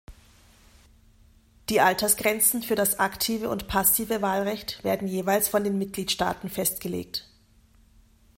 Die Altersgrenzen für das aktive und passive Wahlrecht werden jeweils von den Mitgliedstaaten festgelegt.